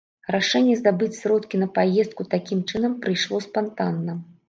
Рашэнне здабыць сродкі на паездку такім чынам прыйшло спантанна.